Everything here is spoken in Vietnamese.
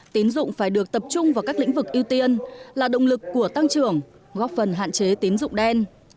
tín dụng phải được tập trung vào các lĩnh vực ưu tiên là động lực của tăng trưởng góp phần hạn chế tín dụng đen